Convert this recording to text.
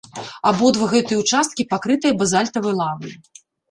Абодва гэтыя ўчасткі пакрытыя базальтавай лавай.